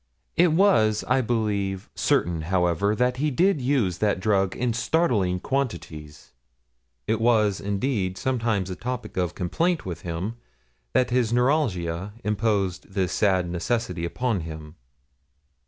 It was, I believe, certain, however, that he did use that drug in startling quantities. It was, indeed, sometimes a topic of complaint with him that his neuralgia imposed this sad necessity upon him.